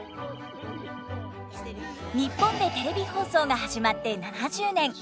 日本でテレビ放送が始まって７０年。